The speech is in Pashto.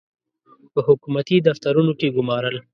په حکومتي دفترونو کې ګومارل.